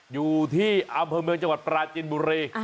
อยู่ที่อำเภย์เมืองจังหวัดปราณเจ็ดบูเร